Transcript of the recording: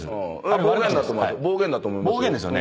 暴言だと思いますよ。